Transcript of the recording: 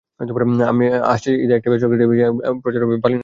আসছে ঈদে একটি বেসরকারি টিভি চ্যানেলে প্রচার হবে আমি বালি নাটকটি।